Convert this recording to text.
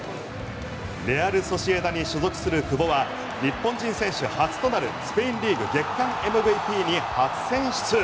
レアル・ソシエダに所属する久保は日本人選手初となるスペインリーグ月間ＭＶＰに初選出。